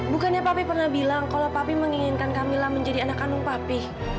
bukannya papi pernah bilang kalau papi menginginkan kamilah menjadi anak kandung papih